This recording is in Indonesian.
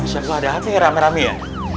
masya allah ada hati rame rame ya